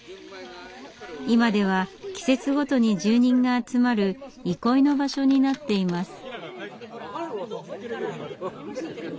今では季節ごとに住人が集まる憩いの場所になっています。